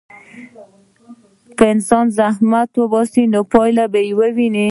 که انسان زحمت وباسي، نو پایله به وویني.